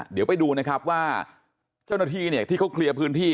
เดี๋ยวไปดูนะครับว่าเจ้าหน้าที่เนี่ยที่เขาเคลียร์พื้นที่